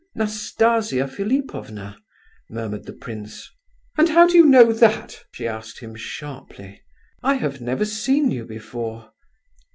"Nastasia Philipovna," murmured the prince. "And how do you know that?" she asked him, sharply. "I have never seen you before!"